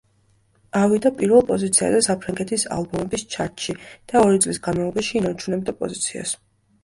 ავიდა პირველ პოზიციაზე საფრანგეთის ალბომების ჩარტში და ორი წლის განმავლობაში ინარჩუნებდა პოზიციას.